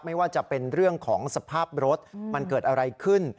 ไม่ว่าจะเป็นเรื่องของสภาพรถมันเกิดอะไรขึ้น